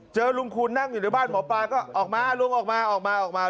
เจอลุงคุณนั่งอยู่ในบ้านหมอปลาก็ออกมาลุงออกมาออกมาออกมา